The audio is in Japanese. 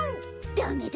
ダメだ！